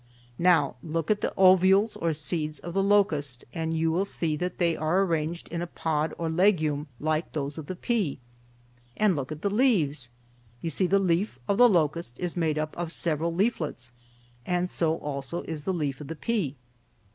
Now look at the ovules or seeds of the locust, and you will see that they are arranged in a pod or legume like those of the pea. And look at the leaves. You see the leaf of the locust is made up of several leaflets, and so also is the leaf of the pea.